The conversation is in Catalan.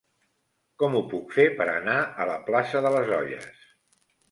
Com ho puc fer per anar a la plaça de les Olles?